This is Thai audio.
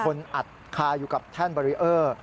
อัดคาอยู่กับแท่นเบรีเออร์